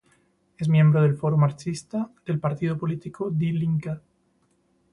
Es miembro del Foro Marxista del partido político Die Linke.